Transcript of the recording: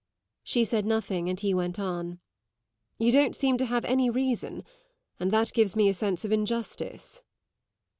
She said nothing, and he went on: "You don't seem to have any reason, and that gives me a sense of injustice."